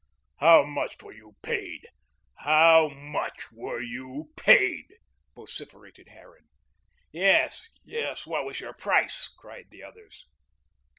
"How much were you paid? How much were you paid?" vociferated Harran. "Yes, yes, what was your price?" cried the others.